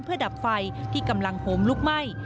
เพื่อดับไฟที่กำลังโหมลุกไหม้